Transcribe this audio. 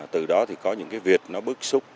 từ đó thì có những cái việc nó bước xúc